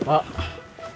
macam suku kurasa